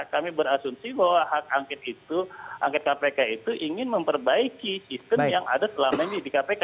kami berasumsi bahwa hak angket itu angket kpk itu ingin memperbaiki sistem yang ada selama ini di kpk